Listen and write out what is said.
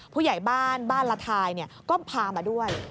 ผู้ใหญ่บ้านบ้านละทายก็พามาด้วย